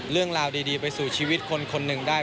เรื่องราวดีไปสู่ชีวิตคนคนหนึ่งได้